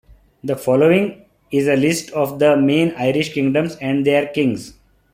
The following is a list of the main Irish kingdoms and their kings.